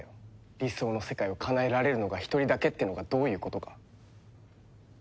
理想の世界をかなえられるのが１人だけっていうのがどういうことか。